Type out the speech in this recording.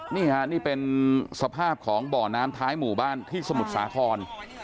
นี่ค่ะนี่เป็นสภาพของบ่อน้ำท้ายหมู่บ้านที่สมุทรสาคร